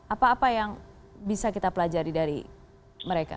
apa apa yang bisa kita pelajari dari mereka